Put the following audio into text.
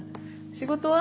仕事は？